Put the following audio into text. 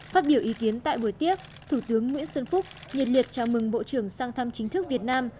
phát biểu ý kiến tại buổi tiếp thủ tướng nguyễn xuân phúc nhiệt liệt chào mừng bộ trưởng sang thăm chính thức việt nam